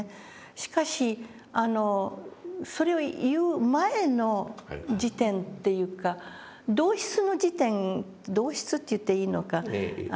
しかしそれを言う前の時点というか同質の時点同質って言っていいのか。